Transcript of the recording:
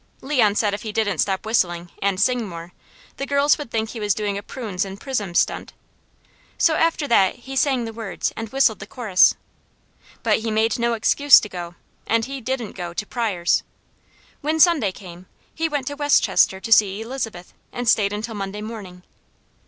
Leon said if he didn't stop whistling, and sing more, the girls would think he was doing a prunes and prisms stunt. So after that he sang the words, and whistled the chorus. But he made no excuse to go, and he didn't go, to Pryors'. When Sunday came, he went to Westchester to see Elizabeth, and stayed until Monday morning.